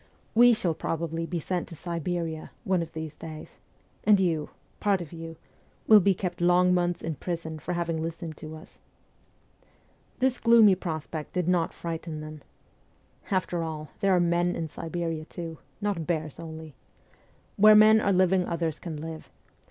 We shall probably be sent to Siberia, one of these days ; and you part of you will be kept long months in prison for having listened to us.' This gloomy prospect did not frighten them. ' After all, there are men in Siberia, too not bears only.' 'Where men are living others can live.'